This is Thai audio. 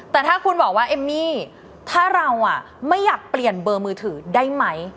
แต่ถ้าคุณบอกว่าเอมมี่ถ้าเราไม่อยากเปลี่ยนเบอร์มือถือได้ไหม